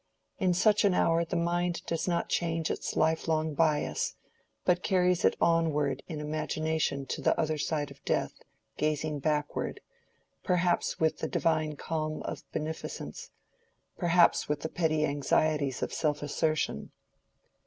In such an hour the mind does not change its lifelong bias, but carries it onward in imagination to the other side of death, gazing backward—perhaps with the divine calm of beneficence, perhaps with the petty anxieties of self assertion.